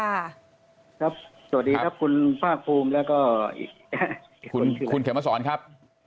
สวัสดีครับคุณภาคภูมิแล้วก็คุณเขมสอนครับ